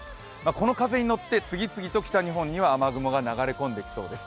この風に乗って、次々と北日本には雨雲が流れ込んできそうです。